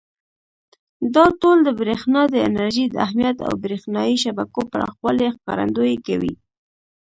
دا ټول د برېښنا د انرژۍ د اهمیت او برېښنایي شبکو پراخوالي ښکارندويي کوي.